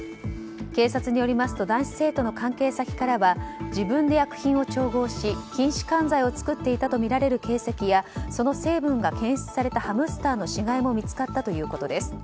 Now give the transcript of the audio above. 警察によりますと男子生徒の関係先からは自分で薬品を調合し筋弛緩剤を作っていたとみられる形跡やその成分が検出されたハムスターの死骸も見つかったということです。